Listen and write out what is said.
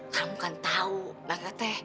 kamu kan tahu tante t